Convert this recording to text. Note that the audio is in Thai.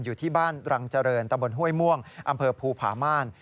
อยู่ที่บ้านรังเจริญตะบนห้วยม่วงอำเภอภูผาม่าน